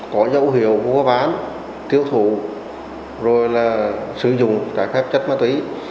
có dấu hiệu vua bán tiêu thụ rồi là sử dụng trả phép chất ma túy